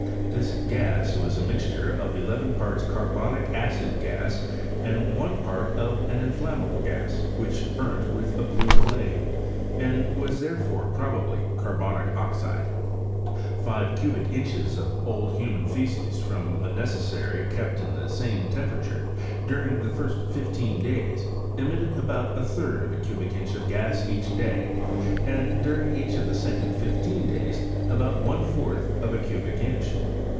This gas was a mixture of eleven parts carbonic acid gas, and one part of an inflam mable gas, which burnt with a blue flame, and was therefore probably carbonic oxide. Five cubic incbei of old human faces from a necessary kept in the Kauifl temperature, during the first fifteen daya (emitted about a third of a cubic inch of gas each day^ Mid during each of the second fifteen days, about one fourth of a cubic inch.